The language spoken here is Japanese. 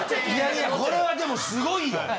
いやいやこれはでもすごいよ。